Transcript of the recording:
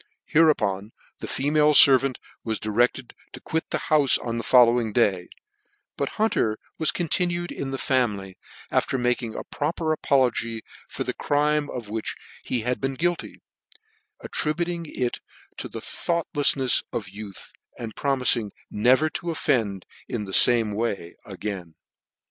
Hereupon the female fervant was directed to quit the houie on the following day , but Hunter was continued in the family, after making a proper apology for the crime of which he had been guilty, attributing it to the thought lefihefs of youth, and promifing never to offend in the fame way again.